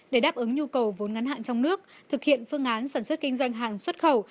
để đáp ứng nhu cầu vốn ngắn hạn trong nước thực hiện phương án sản xuất kinh doanh hàng xuất khẩu